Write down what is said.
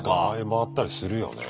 回ったりするよね。